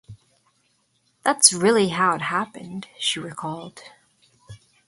"That's really how it happened," she recalled.